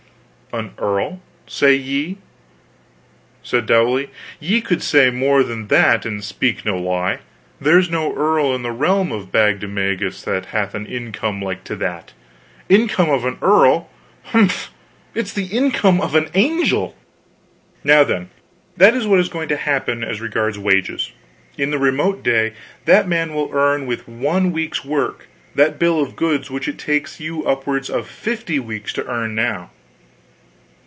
"An earl, say ye?" said Dowley; "ye could say more than that and speak no lie; there's no earl in the realm of Bagdemagus that hath an income like to that. Income of an earl mf! it's the income of an angel!" "Now, then, that is what is going to happen as regards wages. In that remote day, that man will earn, with one week's work, that bill of goods which it takes you upwards of fifty weeks to earn now.